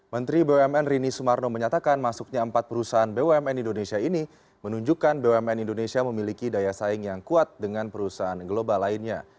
menteri bumn rini sumarno menyatakan masuknya empat perusahaan bumn indonesia ini menunjukkan bumn indonesia memiliki daya saing yang kuat dengan perusahaan global lainnya